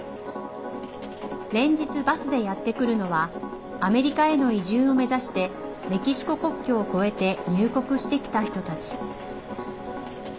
連日、バスでやってくるのはアメリカへの移住を目指してメキシコ国境を越えて入国してきた人たち。